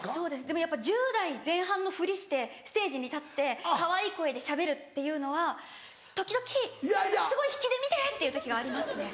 でもやっぱ１０代前半のふりしてステージに立ってかわいい声でしゃべるっていうのは時々すごい引きで見て！っていう時がありますね。